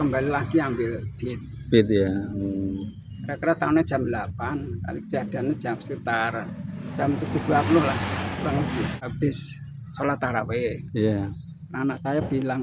bapak motor gondi gitu